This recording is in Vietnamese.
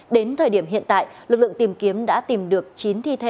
đến thời điểm hiện tại lực lượng tìm kiếm đã tìm được chín thi thể